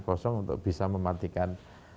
kosong untuk bisa mematikan